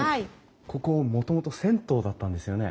ここもともと銭湯だったんですよね？